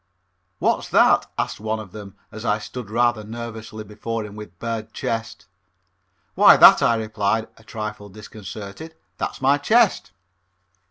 "What's that?" asked one of them as I stood rather nervously before him with bared chest. "Why, that," I replied, a trifle disconcerted, "that's my chest."